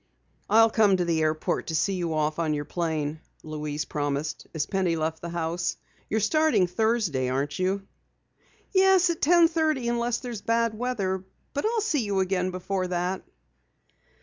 "I'll come to the airport to see you off on your plane," Louise promised as Penny left the house. "You're starting Thursday, aren't you?" "Yes, at ten thirty unless there's bad weather. But I'll see you again before that."